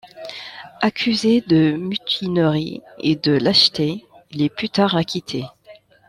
Accusé de mutinerie et de lâcheté, il est plus tard acquitté.